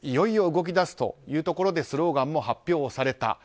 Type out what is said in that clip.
まもなく動き出すということでスローガンも発表された。